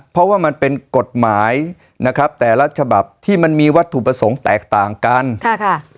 เพราะว่ามันเป็นกฎหมายนะครับแต่ละฉบับที่มันมีวัตถุประสงค์แตกต่างกันค่ะค่ะ